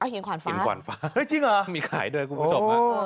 หินขวานฟ้าหินขวานฟ้ามีขายด้วยคุณผู้ชมนะ